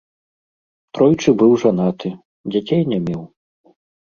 Тройчы быў жанаты, дзяцей не меў.